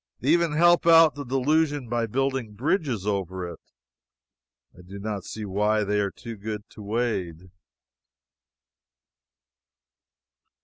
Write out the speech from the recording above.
They even help out the delusion by building bridges over it. I do not see why they are too good to wade.